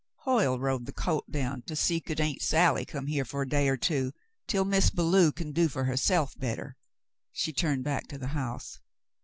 "Hoyle rode the colt down to see could Aunt Sally come here for a day or two, until Miz Belew can do for herself better." She turned back to the house.